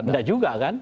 tidak juga kan